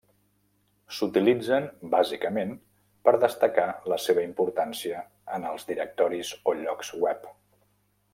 S'utilitzen bàsicament per destacar la seva importància en els directoris o llocs web.